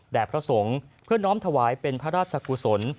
พระสงฆ์เพื่อน้อมถวายเป็นพระราชกุศล